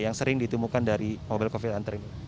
yang sering ditemukan dari mobile covid hunter ini